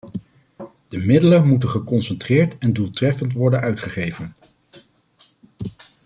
De middelen moeten geconcentreerd en doeltreffend worden uitgegeven.